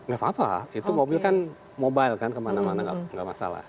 nggak apa apa itu mobil kan mobile kan kemana mana nggak masalah